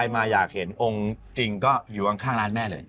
มาอยากเห็นองค์จริงก็อยู่ข้างร้านแม่เลย